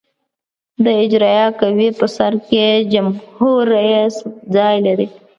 د اجرائیه قوې په سر کې جمهور رئیس ځای لري.